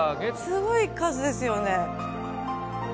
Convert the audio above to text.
すごい数ですよね。